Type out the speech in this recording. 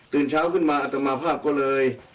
เช้าขึ้นมาอัตมาภาพก็เลย